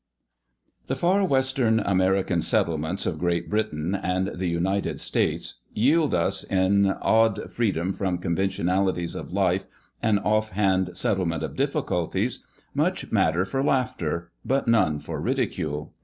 THE far Western American settlements of Great Britain and the United States yield us, in odd freedom from conventionalities of life and off hand settlement of difficulties, much matter for laughter, but none for ridicule.